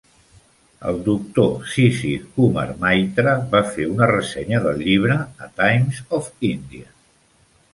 El Dr. Sisir Kumar Maitra va fer una ressenya del llibre a 'Times of India'.